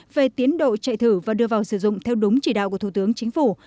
về tiến độ chạy thử và đưa vào sử dụng theo đúng chỉ đạo của thủ tướng chính phủ